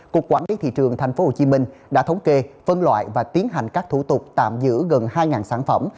cục quản lý thị trường tp hcm đã thống kê phân loại và tiến hành các thủ tục tạm giữ gần hai sản phẩm